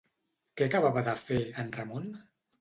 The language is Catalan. Què acabava de fer, en Ramon?